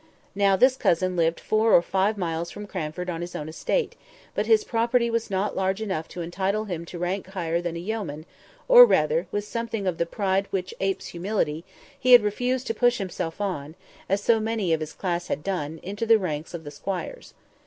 Now this cousin lived four or five miles from Cranford on his own estate; but his property was not large enough to entitle him to rank higher than a yeoman; or rather, with something of the "pride which apes humility," he had refused to push himself on, as so many of his class had done, into the ranks of the squires.